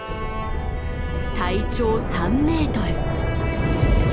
体長３メートル。